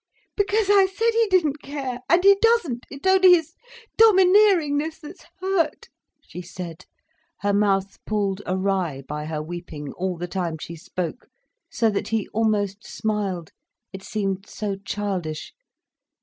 "Because I said he didn't care—and he doesn't, it's only his domineeringness that's hurt—" she said, her mouth pulled awry by her weeping, all the time she spoke, so that he almost smiled, it seemed so childish.